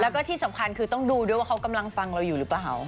แล้วก็ที่สำคัญคือต้องดูด้วยว่าเขากำลังฟังเราอยู่หรือเปล่า